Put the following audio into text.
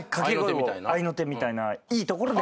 合いの手みたいな。